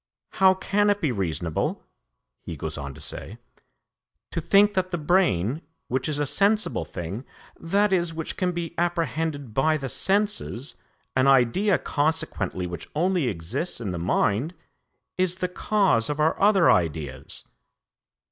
'How can it be reasonable,' he goes on to say, 'to think that the brain, which is a sensible thing, i.e. which can be apprehended by the senses an idea consequently which only exists in the mind is the cause of our other ideas?'"